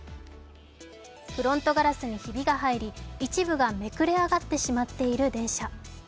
フロントガラスにひびが入り一部がめくれ上がってしまっている電車。